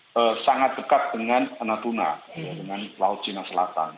yang tentunya itu sangat dekat dengan natuna ya dengan laut china selatan